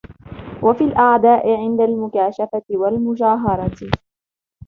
وَفِي الْأَعْدَاءِ عِنْدَ الْمُكَاشَفَةِ وَالْمُجَاهَرَةِ